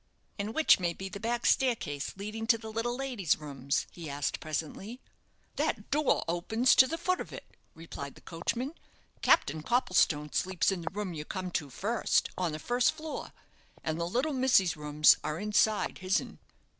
"And which may be the back staircase, leading to the little lady's rooms?" he asked, presently. "That door opens on to the foot of it," replied the coachman. "Captain Coppletone sleeps in the room you come to first, on the first floor; and the little missy's rooms are inside his'n."